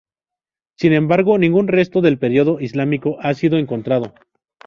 Sin embargo, ningún resto del periodo islámico ha sido encontrado.